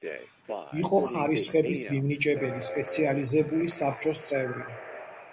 იყო ხარისხების მიმნიჭებელი სპეციალიზებული საბჭოს წევრი.